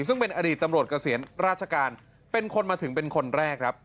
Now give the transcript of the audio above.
ซึ่งเป็นอดีตตำรวจเกษียณราชการเป็นคนมาถึงเป็นคนแรกครับ